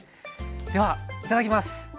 ではいただきます。